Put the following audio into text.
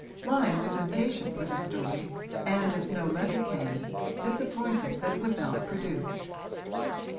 Lyon was impatient for the story and, as no letter came, disappointed that it was not produced.